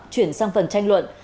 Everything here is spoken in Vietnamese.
chuyển sang phần tranh luận